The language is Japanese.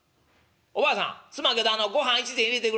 おばあさんすまんけどあのごはん１膳入れてくれるか？」。